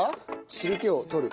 汁気を取る。